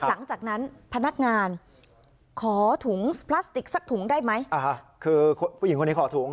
หลังจากนั้นพนักงานขอถุงพลาสติกสักถุงได้ไหมอ่าฮะคือผู้หญิงคนนี้ขอถุง